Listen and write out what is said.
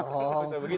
nggak bisa begitu